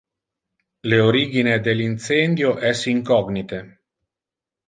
Le origine del incendio es incognite.